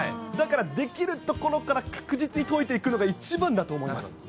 だから、できるところから確実に解いていくのが一番だと思います。